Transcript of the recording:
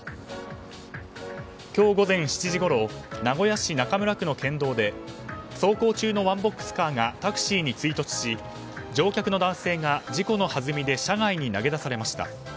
今日午前７時ごろ名古屋市中村区の県道で走行中のワンボックスカーがタクシーに追突し乗客の男性が事故のはずみで車外に投げ出されました。